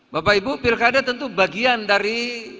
bapak ibu pilkada tentu bagian dari